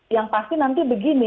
yang pasti nanti begini